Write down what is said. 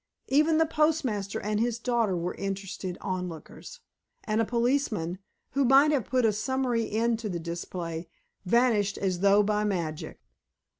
Even the postmaster and his daughter were interested onlookers, and a policeman, who might have put a summary end to the display, vanished as though by magic.